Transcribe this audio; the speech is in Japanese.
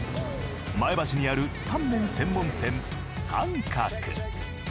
前橋にあるタンメン専門店燦鶴。